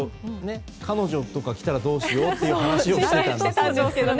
彼女とか来たらどうしようという話をしていたんですけどね。